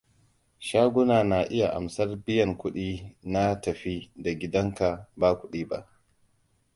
Shaguna na iya amsar biyan kuɗi na tafi da gidanka ba kuɗi ba.